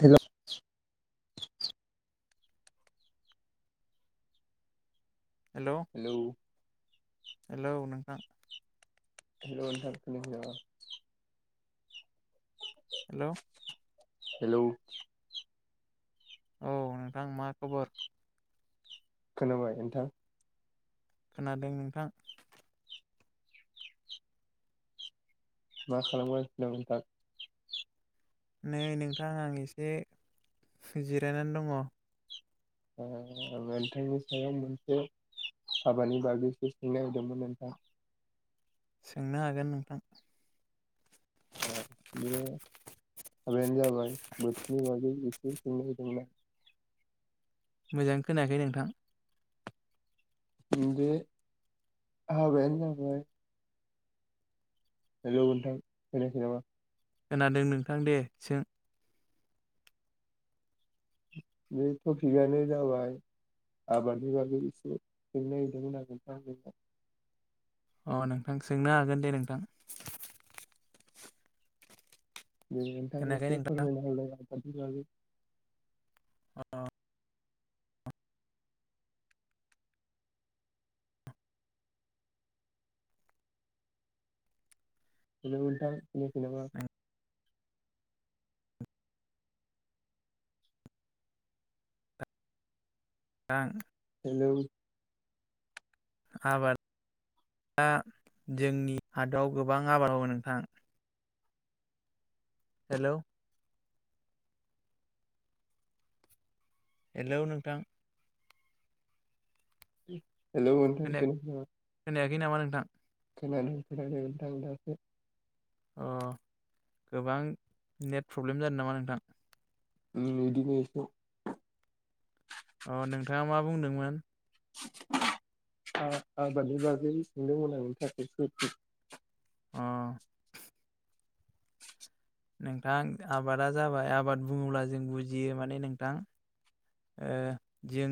Hello hello hello नोंथां hello hello hello औ नोंथां मा खबर खोनाबाय नोंथां खोनादों नोंथां मा खालामगासिनो दं नोंथां नै नोंथां आं एसे जिरायनानै दङ नोंथांनि सायाव मोनसे हाबानि बागैसो सोंनो नागिरदोंमोन नोंथां सोंनो हागोन नोंथां बे हाबायानो जाबाय बोथोरनि बागै एसे सोंनो नागिरदोंमोन आं नोंथां मोजां खोनायाखै नोंथां बे हाबायानो जाबाय हेलौ नोंथां खोनायाखै नामा खोनादों नोंथां दे सों बे थफिगानो जाबाय हाबानि बागै एसे सोंनो नागिरदोंमोन आं नोंथां नोंनाव अ नोंथां सोंनो हागोन दे नोंथां दे नोंथां खोनायाखै एसे नोंथां फोरमायना होलाय हाबानि बागै अ हेलौ नोंथां खोनायाखै नामा दा हेलौ आबार दा जोंनि हादाव गोबां आबाद मावो नोंथां हेलौ हेलौ नोंथां हेल' नोंथां खोनायाखै नामा खै नामा नोंथां खोनादों खोनादों नोंथां नोंथां अ गोबां नेट प्रब्लेम जादों नामा नोंथां उम बिदिनोएसे अ नोंथाङा मा बुंदोंमोन [inaudible] आ-आबादनि बागै सोंदोंमोन आं [unintelligible] अ [inaudible] नोंथां आबादा जाबाय आबाद बुङोब्ला जों बुजियो माने नोंथां ओ जों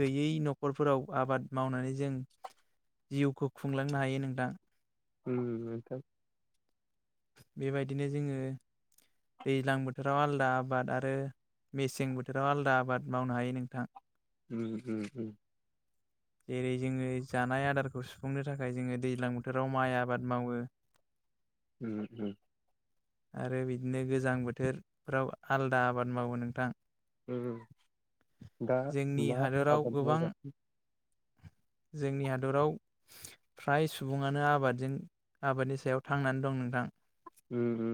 गैयै न'खरफोराव आबाद मावनानै जों जिउखौ खुंलांनो हायो नोंथां उ नोंथां बेबायदिनो जोङो दैज्लां बोथोराव आलदा आबाद आरो मेसें बोथोराव आलदा आबाद मावनो हायो नोंथां उ उ उ जेरै जोङो जानाय आदारखौ सुफुंनो थाखाय जोङो दैज्लां बोथोराव माइ आबाद मावो। उ उ आरो बिदिनो गोजां बोथोरफ्राव आलदा आबाद मावो नोंथां उम दा जोंनि मा हादोराव आबाद गोबां मावगासिनो [inaudible] जोंनि हादराव फ्राय सुबुङानो आबादजों आबादनि सायाव थांनानै दं नोंथां। उ उ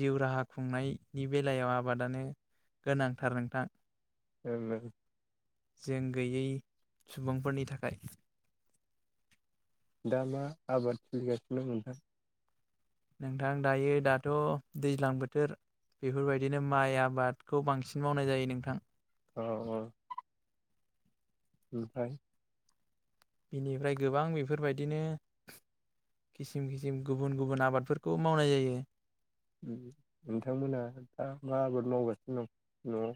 जिउ राहा खुंनायनि बेलायाव आबादानो गोनांथार नोंथां [unintelligible] जों गैयै सुबुंफोरनि थाखाय दा मा आबाद सोलिगासिनो नोंथां? नोंथां दायो दाथ' दैज्लां बोथोर बेफोरबायदिनो माइ आबादखौ बांसिन मावनाय जायो नोंथां अ अ ओमफाय बिनिफ्राय गोबां बेफोरबायदिनो खिसिम खिसिम गुबुन गुबुन आबादफोरखौ मावनाय जायो उ। नोंथांमोना दा मा आबाद मावगासिनो दं न'आव?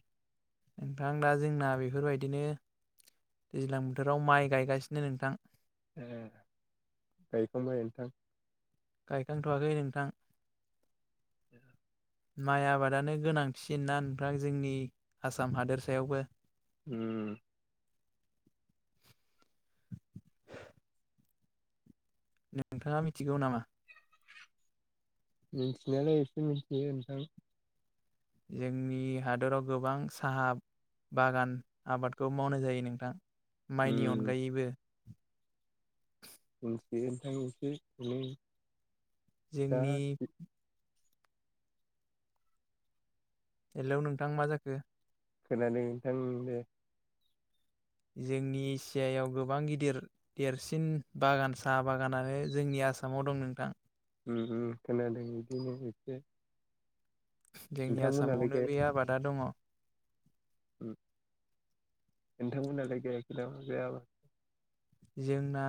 नोंथां दा जोंना बेफोरबायदिनो दैज्लां बोथोराव माइ गायगासिनो नोंथां ए। गायखांबाय नोंथां? गायखांथ'वाखै नोंथां। [inaudible] माइ आबादानो गोनांथिसिनना नोंथां जोंनि आसाम हादोरसायावबो उम नोंथाङा मिथिगौ नामा? मिथिनायालाय एसे मिथियो नोंथां जोंनि हादराव गोबां साहा बागान आबादखौ मावनाय जायो नोंथां उम माइनि अनगायैबो [unintelligible] जोंनि दा हेलौ नोंथां मा जाखो? खोनादों नोंथां दे जोंनि एसियायाव गोबां गिदिर देरसिन बागान साहा बागानानो जोंनिया आसामाव दं नोंथां। उम हउ खोनादों बिदिनो एसे। जोंनि नोंथांमोनालाय आसामावनो बे आबादा दङ'। उम। नोंथां मोनालाय गायाखै नामा बे आबाद जोंना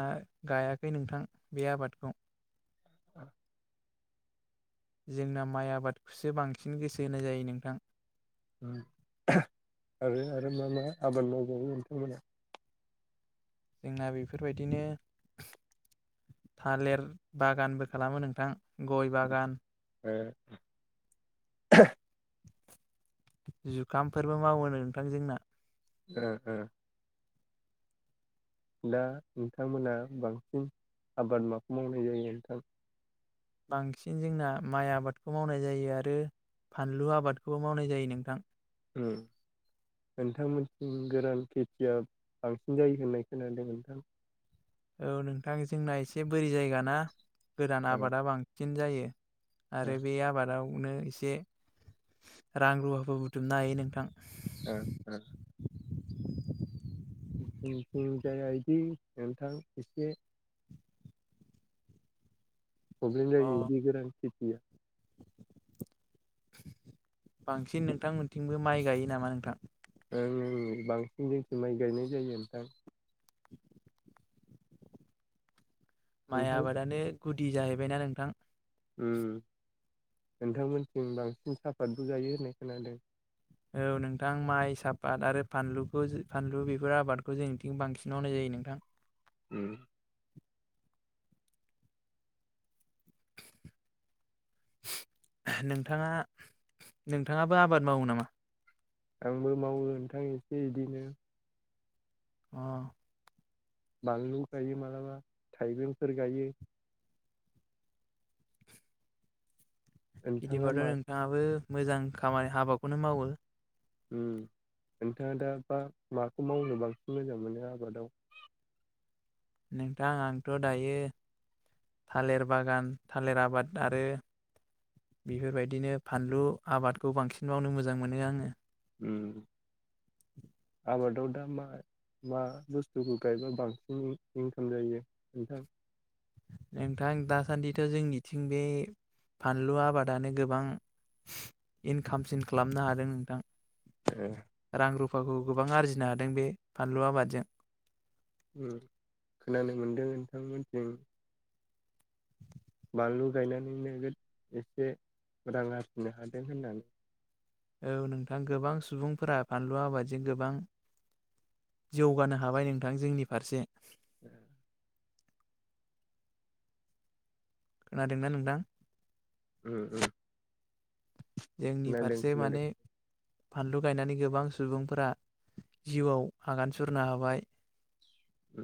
गायाखै नोंथां बे आबादखौ। आ जोंना माइ आबादखौसो बांसिन गोसो होनाय जायो नोंथां। ओम आरो आरो मा मा आबाद मावबावो नोंथांमोना? जोंना बेफोरबायदिनो थालेर बागानबो खालामो नोंथां गय बागान [unintelligible] जुखामफोरबो मावो नोंथां जोंना। ओ ओ। दा नोंथांमोना बांसिन आबाद माखौ मावनाय जायो नोंथां? बांसिन जोंना माइ आबादखौ मावनाय जायो आरो फानलु आबादखौबो मावनाय जायो नोंथां। उम नोंथांमोनथिं गोरान खेथिया बांसिन जायो होननाय खोनादों नोंथां। औ नोंथां जोंना एसे बोरि जायगाना। गोरान ओ ओ आबादा बांसिन जायो। ओ आरो बे आबादावनो एसे रां रुवाफोर बुथुमनो हायो नोंथां। ओ ओ जोंथिं जाया इदि नोंथां एसे प्रब्लेम जायो अ इदि गोरान खेथिया। बांसिन नोंथांमोनथिंबो माइ गायो नामा नोंथां? ओं ओं बांसिन जोंनिथिं माइ गायनाय जायो नोंथां। माइ नोंथां आबादानो गुदि जाहैबायना नोंथां। उम नोंथांमोनथिं बांसिन साफातबो जायो होननाय खोनादों। औ नोंथां माइ साफात आरो फानलुखौ फानलु बेफोर आबादखौ जोंथिं बांसिन मावनाय जायो नोंथां। उम [inaudible] नोंथाङा नोंथाङाबो आबाद मावो नामा? आंबो मावो नोंथां एसे इदिनो अ बानलु गायो मालाबा थाइबेंफोर गायो। नोंथाङा इदिबाथ' मा नोंथाङाबो मोजां खामानि हाबाखौनो मावो। उम नोंथाङा दा बा माखौ मावनो बांसिन मोजां मोनो आबादाव? नोंथां आंथ' दायो थालेर बागान थालेर आबाद आरो बेफोरबायदिनो फानलु आबादखौ बांसिन मावनो मोजां मोनो आङो। उम [inaudible] आदाव दा मा मा बुस्थुखौ गायबा बांसिन इंकाम जायो नोंथां? नोंथां दासान्दिथ' जोंनिथिं बे फानलु आबादानो गोबां इनकामसिन खालामनो हादों नोंथां। ए फाखौ गोबां आरजिनो हादों बे फानलु आबादजों। ओम खोनानो मोनदों नोंथांमोनथिं बानलु गायनानै नोगोद एसे रां आरजिनो हादों होननानै औ नोंथां गोबां सुबुंफोरा फानलु आबादजों गोबां जौगानो हाबाय नोंथां जोंनि फारसे [unintelligible] खोनादोंना नोंथां उम उम जोंनि खोनादों फारसे खोनादों माने फानलु गायनानै गोबां सुबुंफोरा जिउआव आगान सुरनो हाबाय उ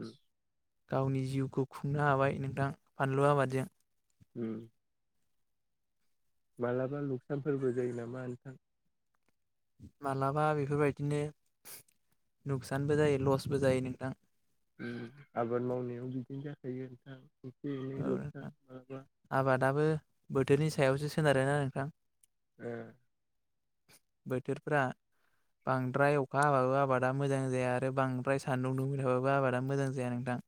गावनि जिउखौ खुंनो हाबाय नोंथां फानलु आबादजों उ मालाबा लुकसानफोरबो जायो नामा नोंथां मालाबा बेफोरबायदिनो नुकसानबो जायो लसबो जायो नोंथां ओ आबाद मावनायाव बिदिनो जाखायो नोंथां एसे एनै औ लुकसान नोंथां मालाबा आबादाबो बोथोरनि सायावसो सोनारोना नोंथां ओ बोथोरफ्रा बांद्राय अखा हाबाबो आबादा मोजां जाया आरो बांद्राय सान्दुं दुंबाय थाबाबो आबादा मोजां जाया नोंथां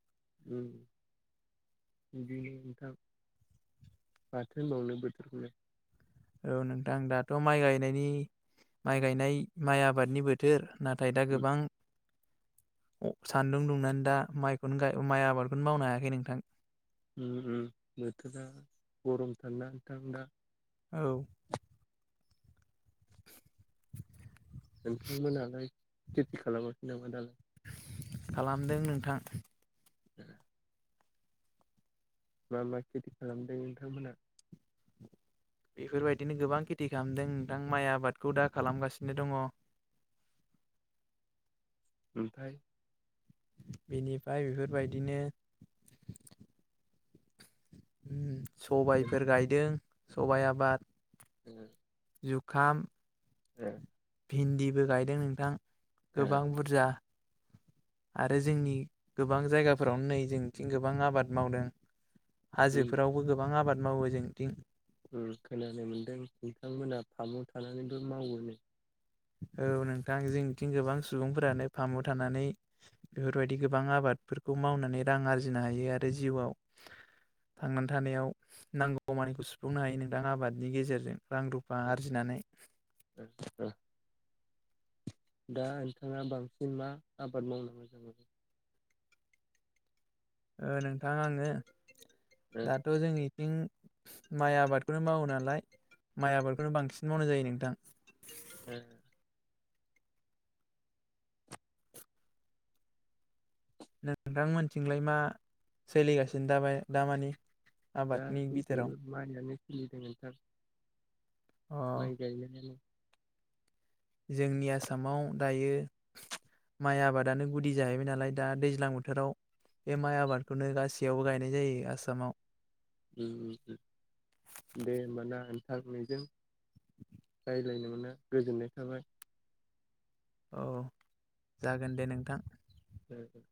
उ बिदिनो नोंथां माथो होनबावनो बोथोरखौलाय औ नोंथां दाथ माइ गायनायनि माइ गायनाय माइ आबादनि बोथोर नाथाय दा गोबां सान्दुं दुंनानै दा माइखौनो गाइ माइ आबादखौनो मावनो हायाखै नोंथां ओ उ बोथोरा गरम थार ना नोंथां दा औ नोंथांमोनहालाय खेथि खालामाखै नामोन दालाय खालामदों नोंथां [inaudible] मा मा खेथि खालामदों नोंथांमोनहा बेफोरबायदिनो गोबां खेथि खालामदों नोंथां माइ आबादखौ दा खालामगासिनो दङ ओमफ्राय बेनिफ्राय बेफोरबायदिनो ओ सबायफोर गायदों सबायाइ आबाद उ जुखाम ए भिन्दिबो गायदों नोंथां ओ गोबां बुरजा [inaudible] आरो जोंनि गोबां जायगाफोरावनो नै जोंथिं गोबां आबाद मावदों हाजोफोरावबो गोबां आबाद मावो जोंथिं ओ खोनानो मोनदों नोंथांमोना फामचआव थानानैथ मावोनो औ नोंथां जोंथिं गोबां सुबुंफोरानो फामु थानानै बेफोरबायदि गोबां आबाद फोरफोरखौ मावनानै रां आरजिनो हायो आरो जिउआव थांनानै थानायाव नांगौ मानिखौ सुफुंनो हायो नोंथां आबादनि गेजेरजों रां रुफा ओ आरजिनानै ओ ओ दा नोंथाङा बांसिन मा आबाद मावनो मोजां मोनो ओ नोंथां आङो ओ दाथ जोंनि बिं माइ आबादखौनो मावो नालाय माइ आबादखौनो बांसिन मावनाय जायो नोंथां ओ नोंथांमोनथिंलाय मा सोलिगासिनो दाबाय दामानि दा आबादनि बिथोराव मानिया सलिदों‌ नोंथां अ माइ गायनायानो जोंनि आसामाव दायो माइ आबादानो गुदि जाहैबाय नालाय दा दैज्लां बोथोराव बे माइ आबादखौनो गासैयावबो गायनाय जायो आसामाव ओ दे होमबा ना नोथां नोंजों मिलायनो मोनना गोजोननाय थाबाय औ जागोन दे नोंथां। औ